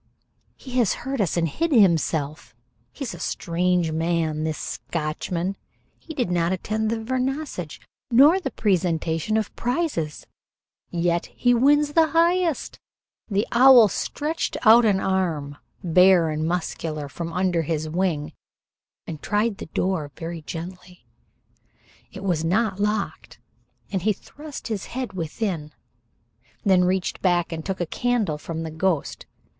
"He has heard us and hid himself. He is a strange man, this Scotchman. He did not attend the 'Vernissage,' nor the presentation of prizes, yet he wins the highest." The owl stretched out an arm, bare and muscular, from under his wing and tried the door very gently. It was not locked, and he thrust his head within, then reached back and took a candle from the ghost.